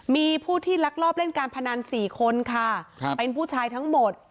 มีผู้ที่ลักลอบเล่นการพนัน๔คนค่ะเป็นผู้ชายทั้งหมด